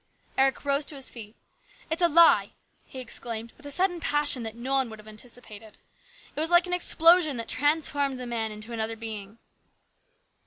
Eric rose to his feet. " It's a lie !" he exclaimed with a sudden passion that no one would have antici pated. It was like an explosion that transformed the man into another being.